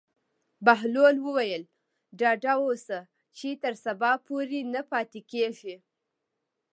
بهلول وویل: ډاډه اوسه چې تر سبا پورې نه پاتې کېږي.